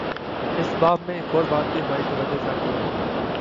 اس باب میں ایک اور بات بھی ہماری توجہ چاہتی ہے۔